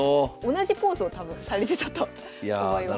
同じポーズを多分されてたと思います。